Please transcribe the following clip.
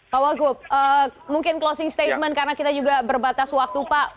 pak wagub mungkin closing statement karena kita juga berbatas waktu pak